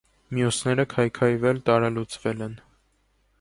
Մյուսները քայքայվել, տարալուծվել են։